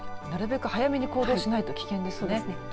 なるべく早めに行動しないと危険ですね。